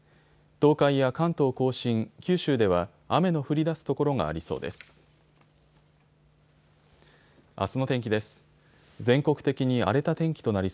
東海や関東甲信、九州では雨の降りだす所がありそうです。